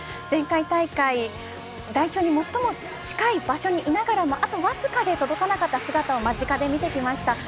前回大会代表に最も近い場所にいながらもあとわずかで届かなかった姿を間近で見てきました。